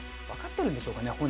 分かってるんでしょうかね。